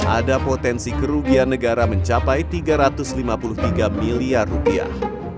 ada potensi kerugian negara mencapai tiga ratus lima puluh tiga miliar rupiah